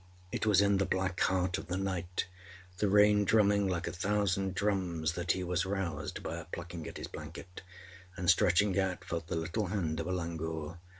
It was in the black heart of the night, the rain drumming like a thousand drums, that he was roused by a plucking at his blanket, and, stretching out, felt the little hand of a langur.